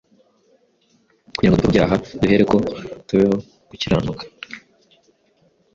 kugira ngo dupfe ku byaha, duhereko tubeho ku gukiranuka.